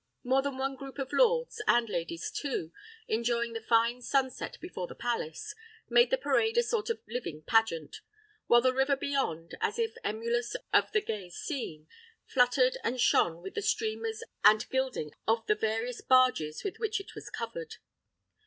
More than one group of lords, and ladies too, enjoying the fine sunset before the palace, made the parade a sort of living pageant; while the river beyond, as if emulous of the gay scene, fluttered and shone with the streamers and gilding of the various barges with which it was covered.